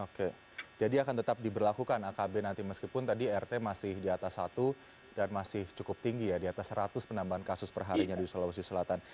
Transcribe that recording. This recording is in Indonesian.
oke jadi akan tetap diberlakukan akb nanti meskipun tadi rt masih di atas satu dan masih cukup tinggi ya di atas seratus penambahan kasus perharinya di sulawesi selatan